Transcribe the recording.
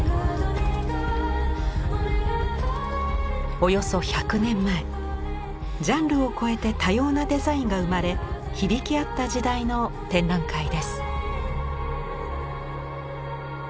およそ１００年前ジャンルを超えて多様なデザインが生まれ響き合った時代の展覧会です。